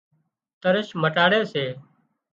ترش مٽاڙي سي